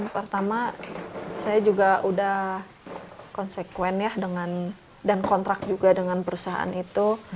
pertama saya juga sudah konsekuensi dan kontrak dengan perusahaan itu